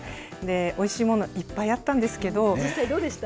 おいしいもの、いっぱいあったんどうでした？